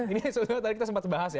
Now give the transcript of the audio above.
ini sebenarnya tadi kita sempat bahas ya